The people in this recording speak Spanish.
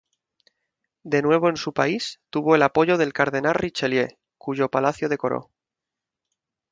De nuevo en su país, tuvo el apoyo del cardenal Richelieu, cuyo palacio decoró.